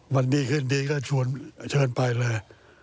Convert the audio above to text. วันนี้คืนนี้ก็เชิญไปเลย